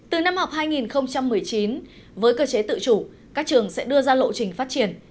từ năm học hai nghìn một mươi chín với cơ chế tự chủ các trường sẽ đưa ra lộ trình phát triển